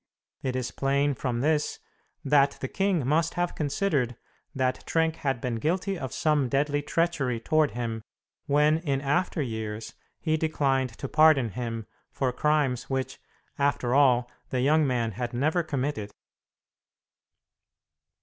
It is plain from this that the king must have considered that Trenck had been guilty of some deadly treachery toward him when in after years he declined to pardon him for crimes which after all the young man had never committed.